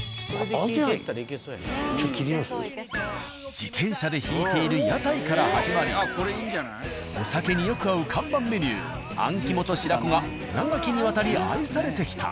自転車で引いている屋台から始まりお酒によく合う看板メニューあん肝と白子が長きにわたり愛されてきた。